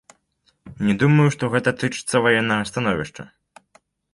Не думаю, што гэта тычыцца ваеннага становішча.